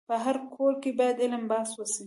په هر کور کي باید علم بحث وسي.